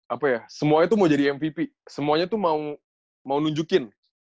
apa ya semuanya tuh mau jadi mpp semuanya tuh mau nunjukin